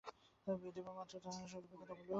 দিবারাত্র তাহারা নিজেদের স্বরূপের কথা বলুক।